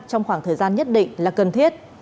trong khoảng thời gian nhất định là cần thiết